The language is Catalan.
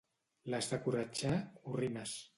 Les de Coratxà, «gorrines».